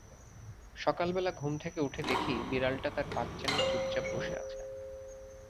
সকালবেলা ঘুম থেকে উঠে দেখি বিড়ালটা তার বাচ্চা নিয়ে চুপচাপ বসে আছে।